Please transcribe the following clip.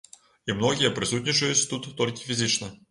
І многія прысутнічаюць тут толькі фізічна.